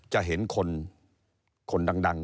จะเห็นคนดัง